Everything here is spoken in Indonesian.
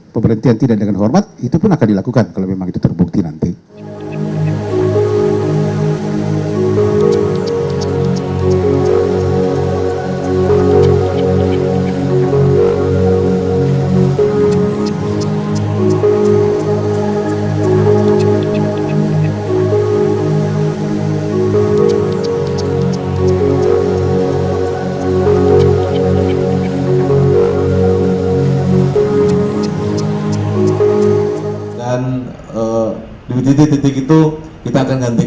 pemberhentian tidak dengan hormat itu pun akan dilakukan kalau memang itu terbukti nanti